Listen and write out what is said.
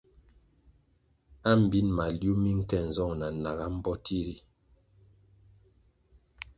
Ambin maliuh mi nke nzong na naga mbpoti ri.